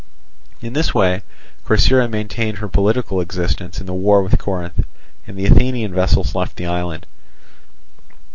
In this way Corcyra maintained her political existence in the war with Corinth, and the Athenian vessels left the island.